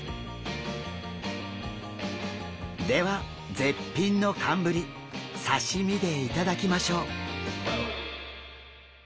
では絶品の寒ぶり刺身で頂きましょう。